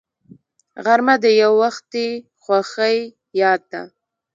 غرمه د یووختي خوښۍ یاد ده